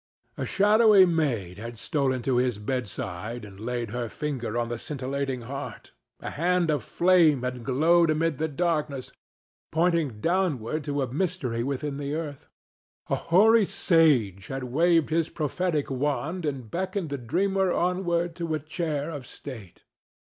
A shadowy maid had stolen to his bedside and laid her finger on the scintillating heart; a hand of flame had glowed amid the darkness, pointing downward to a mystery within the earth; a hoary sage had waved his prophetic wand and beckoned the dreamer onward to a chair of state.